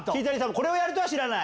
これやるとは知らない。